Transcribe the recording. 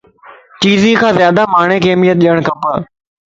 چيزين نازيادا ماڻھينک اھميت ڏيڻ کپَ